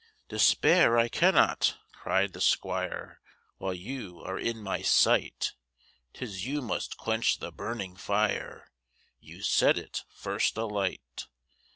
Despair I cannot, cry'd the 'squire, While you are in my sight, 'Tis you must quench the burning fire, You set it first alight.